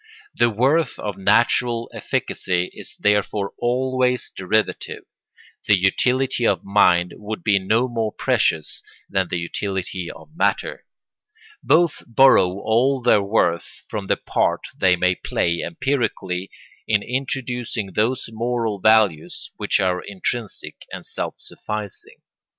The worth of natural efficacy is therefore always derivative; the utility of mind would be no more precious than the utility of matter; both borrow all their worth from the part they may play empirically in introducing those moral values which are intrinsic and self sufficing.